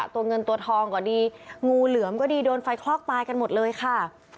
ตัวเงินตัวทองก็ดีงูเหลือมก็ดีโดนไฟคลอกตายกันหมดเลยค่ะ